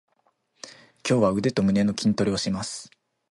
今日は腕と胸の筋トレをします。